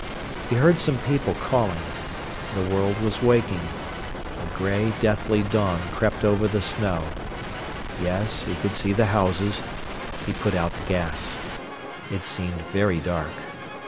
He heard some people calling. The world was waking. A grey, deathly dawn crept over the snow. Yes, he could see the houses. He put out the gas. It seemed very dark.